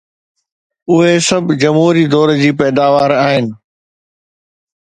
اهي سڀ جمهوري دور جي پيداوار آهن.